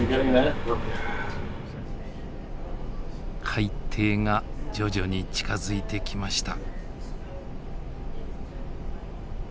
海底が徐々に近づいてきました。